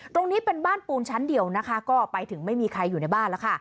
ตรงนี้เป็นบ้านปูนชั้นเดียวนะคะก็ไปถึงไม่มีใครอยู่ในบ้านแล้วค่ะ